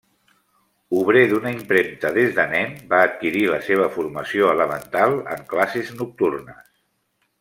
Obrer d'una impremta des de nen, va adquirir la seva formació elemental en classes nocturnes.